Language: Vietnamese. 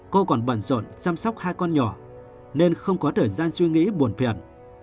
cô còn bận rộn chăm sóc hai con nhỏ nên không có thời gian suy nghĩ buồn phiền